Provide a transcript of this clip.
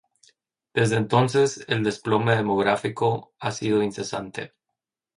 Desde entonces el desplome demográfico ha sido incesante.